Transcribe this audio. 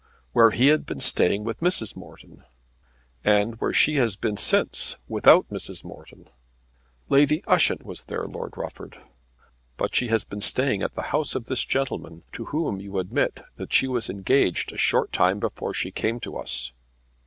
"Where he had been staying with Mrs. Morton." "And where she has been since, without Mrs. Morton." "Lady Ushant was there, Lord Rufford." "But she has been staying at the house of this gentleman to whom you admit that she was engaged a short time before she came to us."